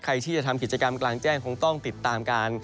ใครที่จะทำกิจกรรมกลางแจ้งคงต้องติดตามการ